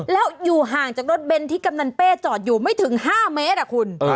แล้วอยู่ห่างจากรถเบนท์ที่กำนันเป้จอดอยู่ไม่ถึง๕เมตรคุณ